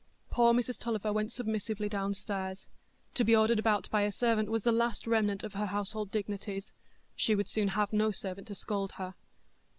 Poor Mrs Tulliver went submissively downstairs; to be ordered about by a servant was the last remnant of her household dignities,—she would soon have no servant to scold her.